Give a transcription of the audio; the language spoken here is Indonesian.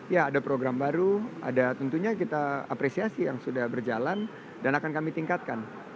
ya ada program baru ada tentunya kita apresiasi yang sudah berjalan dan akan kami tingkatkan